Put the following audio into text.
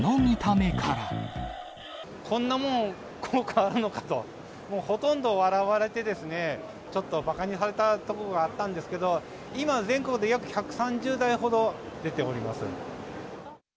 こんなもん、効果あるのかと、ほとんど笑われて、ちょっとばかにされたとこがあったんですけど、今、全国で約１３０台ほど出ております。